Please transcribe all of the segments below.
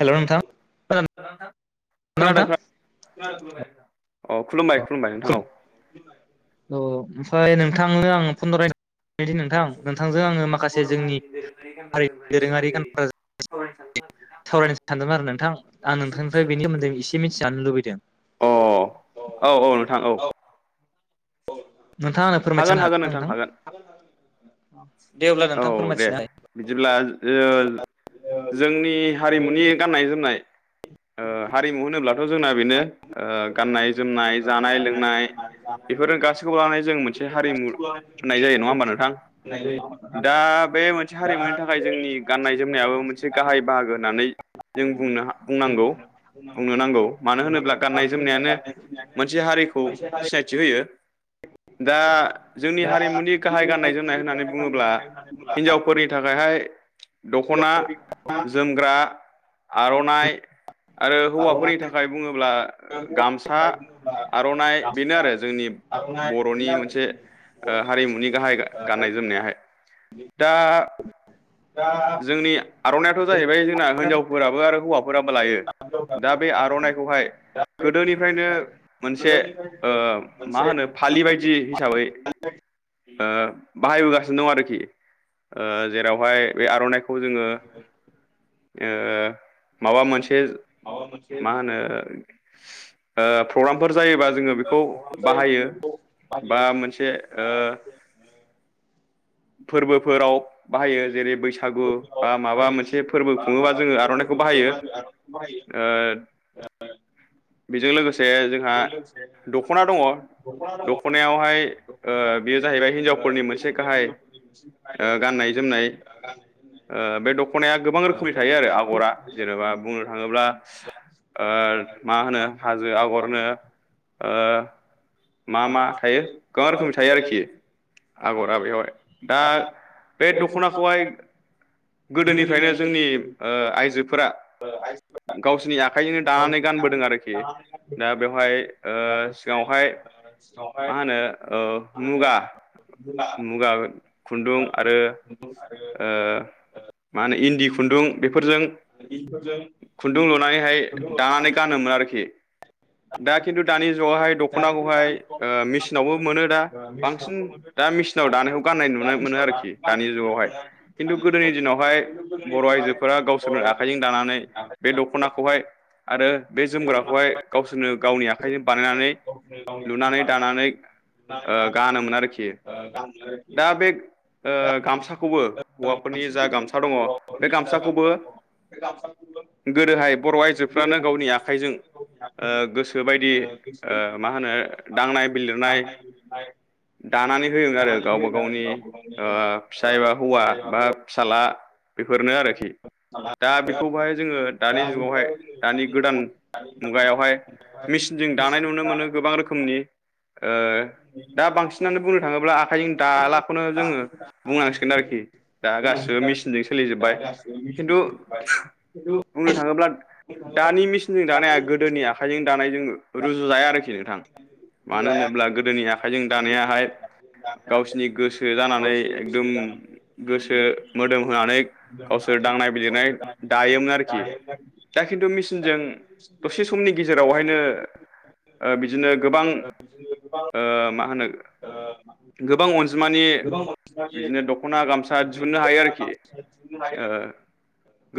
हेल' नोंथां खोनादोंना खोना नोंथां नोंथां अ खुलुमबाय खुलुमबाय नोंथां औ औ ओमफ्राय नोंथांनो आं फन्द्राय दि नोंथां नोंथांजों आङो माखासे जोंनि हारिनि दोरोङारि गानग्रा सावरायनो सानदोंमोन आरो नोंथां आं नोंथांनिफ्राय बेनि सोमोन्दै एसे मिथिजानो लुबैदों। [inaudible] औ औ नोंथां औ नोंथाङा आंनो फोरमायथिनो हागोन हागोन ना नोंथां हागोन दे अब्ला औ नोंथां दे फोरमायथिना बिदिब्ला ओ जोंनि हारिमुनि गाननाय जोमनाय ओ हारिमु होनोब्लाथ जोंना बेनो ओ गाननाय जोमनाय जानाय लोंनाय बेफोर गासैखौबो लानानै जों मोनसे हारिमु होननाय जायो नङा होमबा नोंथां दा बे मोनसे हारिमुनि थाखाय जोंनि गाननाय जोमनायाबो मोनसे गाहाय बाहागो होननानै जों बुंनो बुंनांगौ बुंनो नांगौ मानो होनोब्ला गाननाय जोमनायानो मोनसे हारिखौ सिनायथि होयो। दा जोंनि हारिमुनि गाहाय गाननाय जोमनाय होननानै बुङोब्ला हिनजावफोरनि थाखाय बेहाय दखना जोमग्रा आर'नाइ आरो हौवाफोरनि थाखाय बुङोब्ला गामसा आरनाइ बेनो आरो जोंनि ब र'नि मोनसे ओ हारिमुनि गाहाय गाननाय जोमनायाहाय दा जोंनि आरनाइयाथ' जाहैबाय जोंना हिनजावफोराबो आरो फोराबो लायो दा बे आरनाइखौहाय गोदोनिफ्रायनो मोनसे ओ मा होनो बेबायदि हिसाबै ओ बाहायबोगासिनो दं आरोखि ओ जेरावहाय बे आरनाइख खौ जोङो ओ माबा मोनसे मा होनो ओ फ्रग्रामफोर जायोबा जोङो बेखौ बाहायो। बा मोनसे ओ फोरबोफोराव बाहायो जेरै बै सागु बा माबा मोनसे फोरबो खुङोबा जोङो आर'नाइखौ बाहायो। [unintelligible] बेजों लोगोसे जोंहा दख'ना दङ। दख'नायावहाय बेयो जाहैबाय हिनजावफोरनि मोनसे गाहाय ओ गाननाय जोमनाय ओ बे द ख'नाया गोबां रोखोमनि थायो आरो आगरा जेरेबा बुंनो थाङोब्ला ओ मा होनो हाजो आगरनो ओ मा मा थायो गोबां रोखोमनि थायो आरोखि। आगरा बेवाय दा बे दख'नाखौहाय गोदोनिफ्राय जोंनि आइजोफोरा [unintelligible] गावसोरनि आखाइजोंनो दानानै गानबोदों आरोखि दा बेवहाय सिगाङावहाय मा होनो ओ मुगा मुगा खुन्दुं आरो आ मान इन्दि खुन्दुं बेफोरजों खुन्दुं लुनानैहाय दानानै गानोमोन आरोख खि दा खिन्थु दानि जुगाहाय दख'नाखौ बेहाय ओ मेसिनावबो मोनो दा बांसिन दा मेचिनाव दानायखौ गाननाय नुनो मोनो आरोखि। दानि जुगावहाय खिन्थु गोदोनि दिनावहाय बर' आइजोफोरा गावसोरनो आखाइजों दानानै [unintelligible] बे दख'नाखौहाय आरो बे जोमग्राखौहाय गावसोरनो गावनि आखाइजों बानायनानै नानै दानानै गानोमोन आरोखि। दा बे ओ गामसाखौबो हौवाफोरनि जा गामसा दङ बे गामसाखौबो गोदोहाय बर' आइजोफ्रानो गावनि आखाइ ओ गोसो बायदि ओ मा होनो दांनाय बिलिरनाय दानानै होयो आरो गावबा गावनि फिसा एबा हौवा बा फिसाला आ बेफोरनो आरोखि। दा बेखौ बहाय जोङो दानि जुगावहाय दानि गोदान मुगायावहाय मेसिनजों दानाय नुनो मोनो गोबां रोखोमनि ओ दा बांसिनानो बुंनो थाङोब्ला आखाइजों दालाखौनो जोङो बुंनांसिगोन आरोखि। दा गासि सो मेसिनजों सोलिजोबबाय खिन्थु बुंनो थाङोब्ला दानि मेसिनजों दानाया गोदोनि आखाइजों दानायजों रुजु जाया आरोखि नोंथां। मानो होनोब्ला गोदोनि आखाइजों दानायाहाय गावसिनि गोसो जानानै एकदम गोसो मोदोम होनानै गावसो ओर दांनाय बिजदिरनाय दायोमोन आरोखि। दा खिन्थु मेसिनजों दसे समनि गेजेरावहाय ओ बिदिनो गोबां ओ मा होनो गोबां अनजिमानि बिदिनो दख'ना गामसा दिहुननो हायो आरोखि। ओ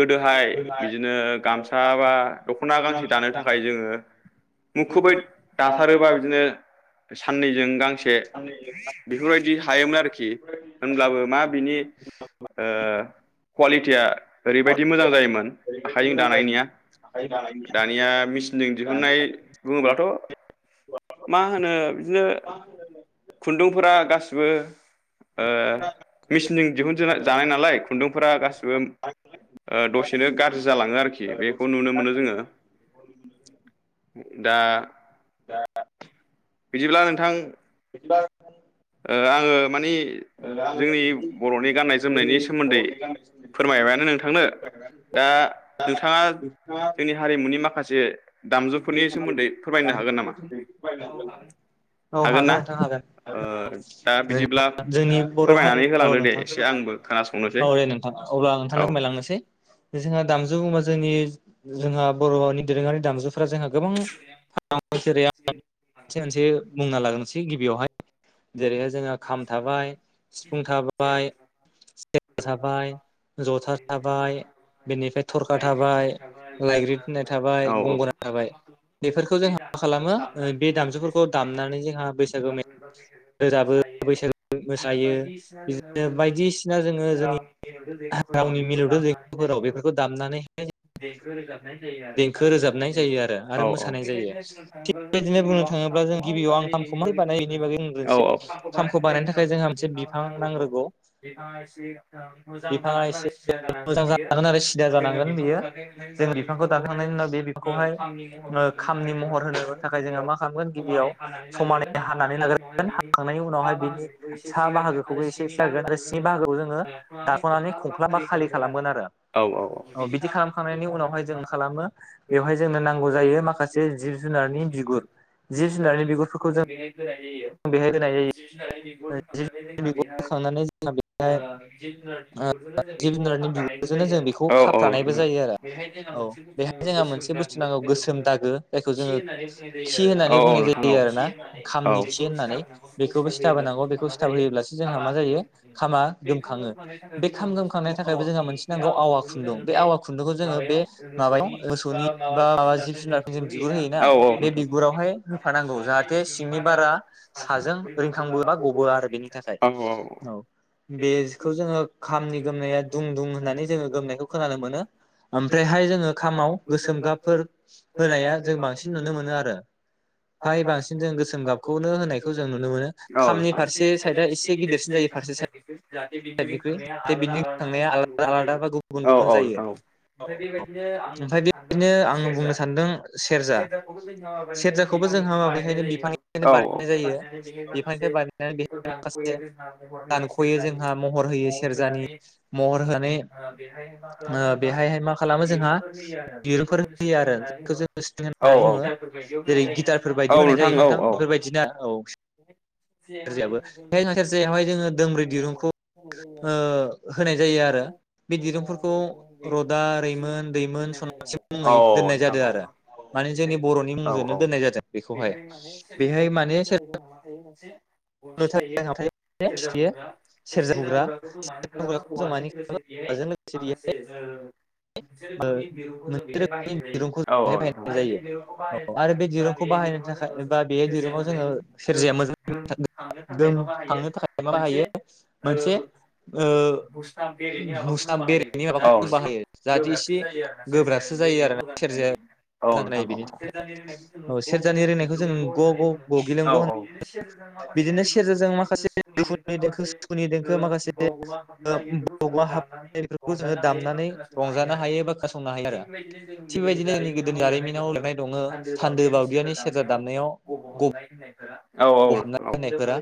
गोदोहाय बिदिनो गामसा बा दख'ना गांसे दानो थाखाय जोङो मुखुबै दाथारोबा बिदिनो साननैजों गांसे बेफोरबायदि हायोमोन आरोख। खि होनब्लाबो मा बिनि ओ कुवालिटिया ओरैबायदि मोजां जायोमोन आखाइजों दानायनिया। [unintelligible] मिसिन जों दिहुननाय बुङोब्लाथ' मा होनो बिदिनो खुन्दुंफोरा गासिबो मिसिनजों दिहुन जानाय नालाय खुन्दुंफोरा गासिबो ओ दसेनो गाज्रि जालाङो आरोखि बेखौ नुनो मोनो जोङो। [unintelligible] दा दा बिदिब्ला नोंथां बिदिबा ओ आङो मानि जोंनि बर'नि गाननाय जोमनायनि सोमोन्दै फोरमायबायानो नोंथांनो। दा नोंथाङा जोंनि हारिमुनि माखासे दामजुफोरनि सोमोन्दै फोरमायनो हागोन नामा? औ हागोन नोंथां ओ दा हागोन। बिदिब्ला जोंनि बर' हारि फोरमायनानै औ होलांदो दे नोंथां एसे आंबो खोनासंनोसै औ दे नोंथा अब्ला आं औ नोंथांंनो फोरमायलांनोसै जोंहा दामजु होनना बुङोब्ला जोंनि जोंहा बर'नि दोरोङारि दामजु जोंहा गोबां जेरै से मोनसे बुंना लागोनोसै गिबियावहाय जेरैहाय जोङहा खाम थाबाय सिफुं थाबाय [inaudible] थाबाय जथा थाबाय बेनिफ्राय थरखा थाबाय लाायग्रि फिनाय थाबाय औ गंगोना थाबाय। बेफोरखौ जोंहा मा खालामो बे दामजुफोरखौ दामनानै जोंहा बैसागो मेथाइ रोजाबो बैसागो मोसायो। बिदिनो बायदिसिना जोङो जोंनि रावनि मिलौदों देंखोफोराव बेफोरखौ दामनानैहाय देंखो रोजाबनाय जायो आरो देंखो आरो मोसानाय रोजाबनाय जायो आरो मोसानाय जायो थिग जों बेबायदिनो बुंनो गिबियाव आं थाङोब्ला खामखौ जों माबोरै गिबियाव आं बानायो खामखौ बेनि माबोरै बागै बानायो बिनि बुंग्रोनोसै बागै नों औ मोनसे औ खामखौ बानायनो थाखाय जोंहा मोनसे बिफां नांग्रोगौ। बिफाङा एसेनो मोजां बिफाङा जालांगोन एसे आरो सिजा जालांनो मोजां फैयो जानांगोन आरो सिदा जोङो जानांगोन बियो बिफांखौ दानफायखांनायनि उनाव जों बिफांखौ दाखांनायनि उनाव बे बिफां जोङो खामनि महर होनो थाखाय जों ना खालामो थाखाय जोङो गिबियाव मा खालामगोन गिबियाव समानै हानानै समानै लाग्रोगोन हानानै आमफ्राय हाखांनायनि उनावहाय बिनि साह बाहागो खौबो एसे सिारगोन आरो स्नि बाहागोआव जोङो दाख'नानै खुंख्लाबा खालि खालामगोन आरो। औ बिदि खालामखांनायनि उनावहाय जों खालामो बेवहाय जोंनो नांगौ जायो माखासे जिब जुनारनि बिगुर जिब जुनार बिगुरफोरखौबो जों बेवहाय होनाय जायो बेहाय होनाय जायो जिब जुनार बिगुर जिब होखांनानै जुनारनि बिगुर होखांनानै जोंहा बेहाय जिब जुनारनि बिगुरजोंनो जों बेखौ औ औ औ खाफ्रानायबो जायो आरो औ नोंथां बेहाय जोंहा मोनसे बुस्थु नांगौ गोसोम दागो जायखौ जोङो [unintelligible] खि औ होननानै बुंनाय औ जायो नोंथां आरोना औ खामनि औ। खि होननानै बेखौबो सिथाब होनांगौ बेखौ सिथाब होयोब्लासो जोंहा मा जायो खामा गोमखाङो बे खाम गोमखांनायनि थाखायबो जोंहा मोनसे नांगौ आवा खुन्दुं बे आवा खुन्दुखौ जोङो बे माबायाव मोसौनि बा माबा जिब जुनार जों बिगुर होयोना बे बिुगुर फोरावहाय होफानांगौ जाहाथे सिंनि बारा साजों रिंखांबोना गबोआ आरोखि बेनि थाखाय औ औ बेखौ जोङो खामनि गोमनाया दुं दुं होननानै जोङो गोमनायखौ खोनानो मोनो ओमफ्रायहाय जोङो खामाव गोसोम गाबफोर होनाया जों बांसिन नुनो मोनो आरो। फाय बांसिन जों गोसोम गाबखौनो होनायखौ जों नुनो मोनो खामनि फारसे साइदआ एसे गिदिरसिन जायो फारसे साइद [unintelligible] औ औ साइडनिख्रुइ जाहाथे बिनि थांनाया आलादा आलादा बा गुबुन गुबुन जायो नोंथां औ। [unintelligible] ओमफ्राय बेबायदिनो आङो बुंनो सानदों सेरजा सेरजाखौबो जोंहा माबेखायनो बिफांनिफ्रायनो औ बानायनाय जायो बानायनानै बेनि माखासे बिफांनिफ्राय बानायनानै बेखौ बेहाय दानख'यो माखासे जोंना महर होयो दानख'यो सेरजा जोंहा महर होयो सेरजानि। महर होनानै आ बेहायहाय मा खालामो जोंहा गिरुफोर होयो आरो। होननानै बुङो जेरै गिटारफोर बायदि होनाय जायो नोंथां बेफोरबायदिनो औ द [unintelligible] सेरायावहाय जोङो दोंब्रै दिरुंखौ होनाय जायो आरो बे दिरुंफोरखौ रदा रैमोन दै मोन सनासिम मुङै दोननाय जादों आरो माने जोंनि बर'नि मुंजोंनो खोनादोंना? दोननाय जादों बेखौहाय बेहाय सेर [unintelligible] थायो सेरजा हुग्रा बे सेरजा हुग्राखौ जों मारै खालामो हुग्राखौ जों हौवाजों मानि लोगोसे बेहाय माखासे ओ ओ मोनसे रोखोमनि दिरुंखौ आरो बेहाय बाहायनाय आरो जायो औ आरो बे दिरुंखौ बाहायनो थाखाय एबा बे दिरुंआव जोङो सेरजाया मोजां [inaudible] थांनो थाखाय मा बाहायो मोनसे ओ बुस्थुवा बेरेनि माबाखौनो मुस्रा बाहायो बेरेनि माबाखौ औ जों नोंथां। बाहायो जाहाथे गोब्रासो एसे जायो आरोना सेरजाया गोब्रासो जायो रिङनायाव आरोना मोजांसो सेरजाया जायो औ मोजां नोंथां खोनायो औ बेनि औ सेरजानि रिंनायखौ थाखाय। औ जोङो सेरजानि रिंनायखौ जों गगिलिं ग होननानै बुङो गगिलेंग' औ होन औ बिदिनो सेरजाजों माखासे बिदिनो सेरजाजों [unintelligible] माखासे दुखुनि देंखो माखासे सुखुनि ओ देंखो माखासे बावगोमा हाबनाय बेफोरखौ बबा जोङो हाब दामनानै बेफोरखौ जोङो रंजानो हायो हायो बा दामनानै खोनासं रंजानो हायो बा खानासंनो हायो आरो थिग बे बायदिनो जोंनि गोदोनि जारिमिनाव लिरनाय दङ' सान्दोबाव दियानि सेरा दामनायाव। गबहाबनाय होन्नाय। गब' होन्नाय फोरा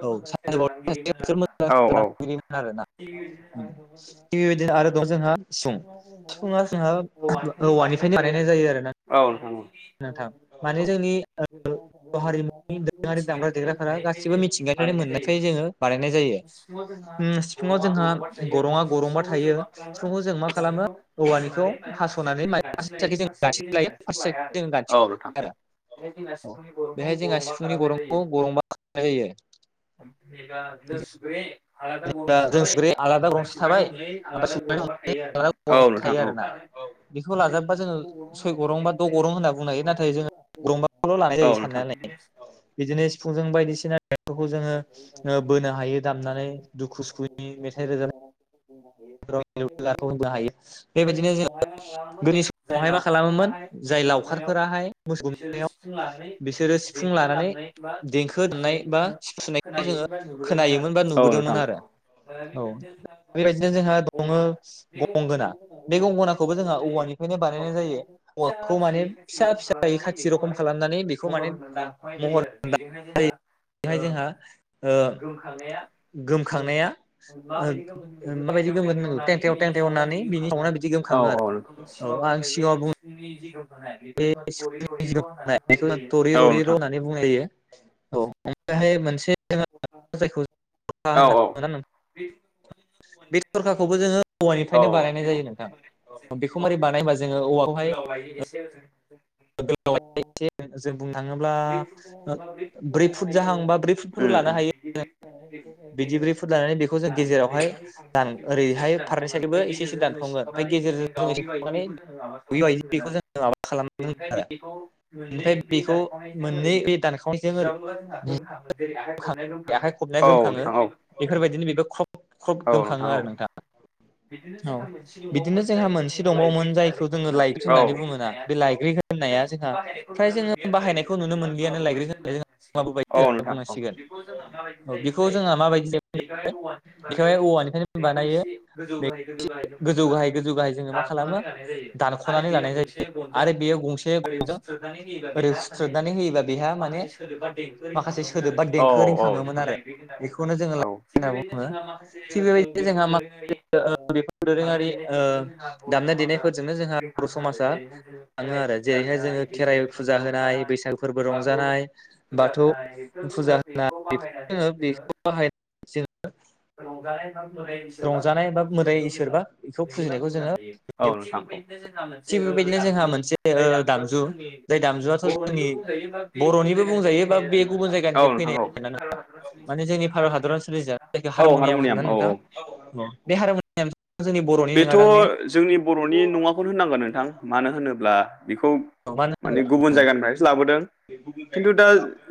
औ [unintelligible] आरो ना थिग बेबायदिनो आरो गो जोंहा सिफुं सिफुुङा जोंहा औवानिफ्रायनो बानायनाय जायो आरो ना औ नोंथां माने जोंनि हारिमुनि गो आरि दामग्रा देग्राफोरा गासिबो मिथिंगानि नो मोननायखाय जोङो बानायनायजायो उम सिफुङाव जोंहा गरङा गरंबा थायो सिफुंखौ जों मा खालामो औवानिखौ हास'नानै माइ [inaudible] औ नोंथां दिना सिफुंनि गरंखौ गरंबा। फुंनि गरमखौ गरंबा खामनाय जायो आरो। [inaudible] आलादा गंसे जों थाबाय सुग्राया आलादा ओमफ्राय गरंसे सिबग्रानि थाबाय अनगायै ओमफ्राय आलादा सुग्रानि गरंबा थायो आरोना गरंबा औ नोंथां थायो आरोना बेखौ लाजाबबा जोङो सय गरं बा द' गरं होनना बुंनो हायो नाथाय जोङो गरंबाखौल' लानाय औ [inaudible] औ जायो नोंथां। [inaudible] साननानै बिदिनो सिफुंजों बायदिसिना। फोरखौ जोङो बोनो हायो दामनानै दुखु सुखुनि मेथाइ रोजाब। [inaudible] [unintelligible] बेबायदिनो जोंहा गोदो समावहाय मा खालामोमोन जाय लावखा खारफोराहाय मोसौ गगुमनायाय बिसोरो सिफुं लानानै देंखो होननाय बा सु-सुनायखौ जोङो खोनायोमोन बा औ नुबोदोंमोन नोंथां आरो औ ल जोंहा दङ गंगोना बे गंगोनाखौबो जोंहा औवानिफ्रायनो बानायनाय जायो औ फिसा फिसायै पेनसिलाव खालामनानै बेखौ माने खालामनानै बेखौ माने महर होनो दानख'नाय महर जायो आरो बेजोंहाय जोंहा बेहाय जोंहा ओ गोमखांनाया ओ ओ माबायदि गोमो थेंथेव थेंथेव होननानै बिनि सावनड आ बिदि औ गोमखाङो औ आरो नोंथां सिङाव बुंनाय बेनि जेथु बे [unintelligible] थरे औ ररे र' नोंथां होननानै बुंनाय जायो औ ओमफ्रायहाय मोनसे जायखौ औ होनना बङो ना नोंथां बे थरखाखौबो जोङो औ औवानिफ्रायनो बानायनाय उम जायो नोंथां औ बेखौ मारै बानायबा जोङो औवाखौ गोलाव लायो एसे ओजों [unintelligible] [unintelligible] जों बुंनो थाङोब्ला ओ ब्रै फुट जाहांबा ब्रै फुटफोर लानो उम हायो [unintelligible] बिदि ब्रै फुट लानानै बेखौ जों गेजेरावहाय दान ओरैहाय फारनै साइदोबो एसे एसे दानफ्लङो ओमफ्राय गेजेरजों जोङो [unintelligible] खालाम बेनिफ्राय बेखौ मोननै बे दानखावनायजों ओरै मोननै बे दानखावनायजों ओरै बुखाङो आखाइ खबनाया [unintelligible] औ गोमखाङो नोथां औ। बेफोरबायदिनो बेबो ख्रब ख्रब औ नोंथां गोमखाङो आरो नोंथा। औ। औ मोनसे दंबावोमोन जायखौ जोङो नोंथां लाइग्रि होननानै बुङोना औ। बे लाइग्रि होननाया बेखौ जोंहा फ्राय जोङो जोंना बाहायनायखौ नुनो मोनलियानो माबायदि लाइग्रि होननाय जाहैयो जोंहा बुंनांसिगोन जाहैबाय औ बेखौ बेखौहाय जोंहा माबायदि बानायो बेखौहाय बेखौ औवानिफ्रायनो बानायो एसे गोजौ बे गाहाय गोजौ गाहाय गोजौ गाहाय [unintelligible] गोजौ गाहाय जोङो मा खालामो दानस'नानै गायनाय जायो आरो दानख'नानै बे लानाय मोननसे जायो गनजों आरो बेयो गंसे ओरै फुथ्रोदनानै होयोबा ओरै बेहा माने हुथ्रोदनानै होयोबा बेहा माने माखासे सोदोबा देंखो माखासे रिंखाङो। सोदोब बा औ देंखो रिंखाङोमोन आरो बेखौनो जोङो होनना बुङो थिग बेबायदिनो जोंहा माखासे औ। बेफोर दोरोङारि ओ दामनाय देनायफोरजोंनो जोंहा बर' समाजा थाङो आरो जेरैहाय जोङो खेराइ फुजा होनाय बैसागो फोरबो रंजानाय बाथौ फुजा होनाय बेखौ बाहायनानै जोङो बेखौ बाहाय जों रंजानाय बा [unintelligible] मोदाय इसोरबा बेखौ फुजिनायखौ जोङो औ [unintelligible] नोंथां औ थिग बेबायदिनो जोंहा मोनसे ओ ओ दामजु जाय दामजुआथ' जोंनि बर'निबो बुंजायो बा बे गुबुन जायगानिफ्राय औ नोंथां औ फैनाय जोंनि भारत [unintelligible] हादराव सोलियो माने जोंनि जायखौ भारत हादराव हारमनियाम होनना सोलिजानाय नोंथां। जायखिया औ हारमुनियाम होनो ना औ नोंथां? औ बे हारमुनियाम बेथ' जोंनि बर'नि नङाखौनो होननांगोन नोंथां मानो होनोब्ला बेखौ मानो माने गुबुन होनोब्ला जायगानिफ्रायसो लाबोदों। खिन्थु दा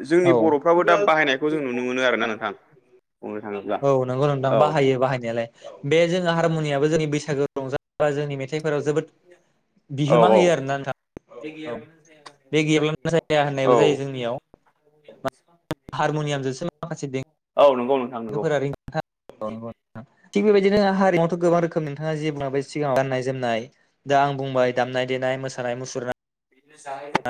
जोंनि औ बर'फ्राबो दा बाहायनायखौ जों नुनो मोनो आरो ना नोंथां। थाङोब्ला औ नंगौ नोंथां औ बाहायो बाहायनायालाय बे जोङो हारमुनियाबो जोंनि बैसागो रंजाबा जोंनि मेथाइफोराव जोबोद औ बिहोमा औ होयो आरोना नोंथां औ। बे गैयाब्लानो जाया औ होननायबो जायो जोंनियाव हारमुनियामजोंसो माखासेे औ नंगौ नोंथां नंगौ देंखोफोरा [unintelligible] थिग बेबायदिनो हारिमुआवथ' गोबां रोखोम नोंथाङा जे बुंलांबाय सिगाङाव गाननाय जोमनाय दा आं बुंबाय दामनाय देनाय मोसानाय मुसुरनाय [unintelligible]